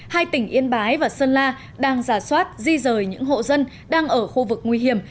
hai tỉnh yên bái và sơn la đang giả soát di rời những hộ dân đang ở khu vực nguy hiểm